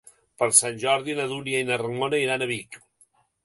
Per Sant Jordi na Dúnia i na Ramona iran a Vic.